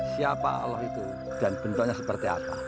siapa allah itu dan bentuknya seperti apa